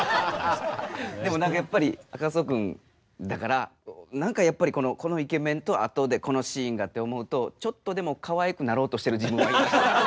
でも何かやっぱり赤楚君だから何かやっぱりこのイケメンとあとでこのシーンがって思うとちょっとでもかわいくなろうとしてる自分がいました。